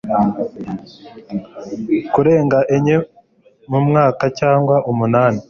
kurenga enye mu mwaka cyangwa umunani